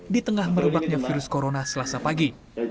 di tengah merebaknya virus corona selasa pagi